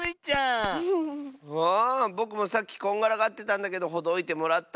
ぼくもさっきこんがらがってたんだけどほどいてもらった。